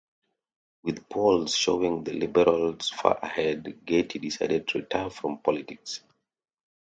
With polls showing the Liberals far ahead, Getty decided to retire from politics.